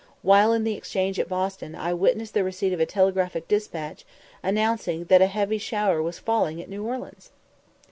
While in the Exchange at Boston, I witnessed the receipt of a telegraphic despatch announcing that a heavy shower was falling at New Orleans!